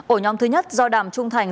ổ nhóm thứ nhất do đàm trung thành